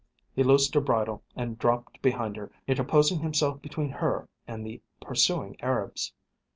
He loosed her bridle and dropped behind her, interposing himself between her and the pursuing Arabs.